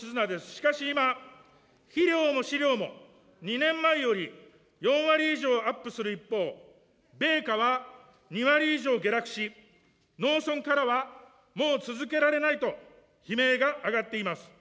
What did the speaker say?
しかし今、肥料も飼料も２年前より４割以上アップする一方、米価は２割以上下落し、農村からは、もう続けられないと、悲鳴が上がっています。